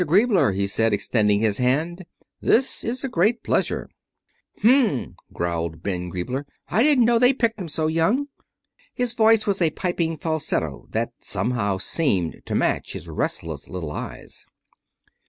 Griebler," he said, extending his hand, "this is a great pleasure." "Hm!" growled Ben Griebler, "I didn't know they picked 'em so young." His voice was a piping falsetto that somehow seemed to match his restless little eyes.